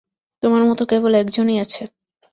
তোমার মতো কেবল একজন-ই আছে।